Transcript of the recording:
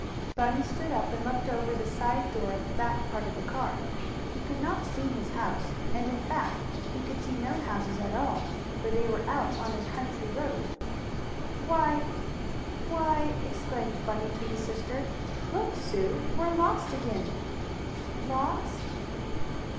Bunny stood up and looked over the side door of the back part of the car. He could not see his house, and, in fact, he could see no houses at all, for they were out on a country road. "Why! Why!" exclaimed Bunny to his sister. "Look, Sue! We're lost again!" "Lost?"